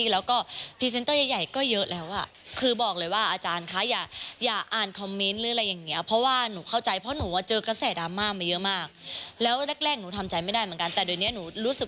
แล้วก็บอกว่าอาจารย์กินยานอนหลับเลยนอน